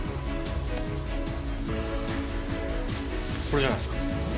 これじゃないですか？